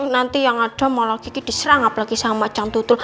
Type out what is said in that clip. nanti yang ada malah kiki diserangap lagi sama macam tutur